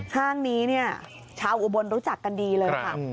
ห้างนี้เนี่ยชาวอุบลรู้จักกันดีเลยค่ะ